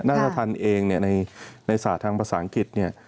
ราชธรรมเองในศาสตร์ทางภาษาอังกฤษเนี่ย